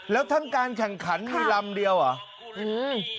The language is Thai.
แล้วทั้งการแข่งขันมีลำเดียวเหรออืม